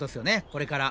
これから。